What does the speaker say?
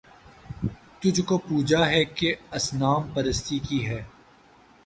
تجھ کو پوجا ہے کہ اصنام پرستی کی ہے